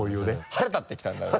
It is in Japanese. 腹立ってきたんだろうね。